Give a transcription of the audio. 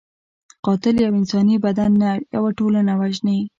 قاتل یو انساني بدن نه، یو ټولنه وژني